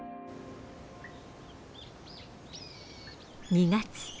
２月。